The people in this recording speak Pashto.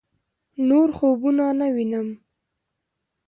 نور خوبونه نه وينم